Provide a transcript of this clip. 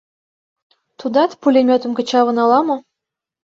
Тудат «пулемётым кычалын» ала-мо?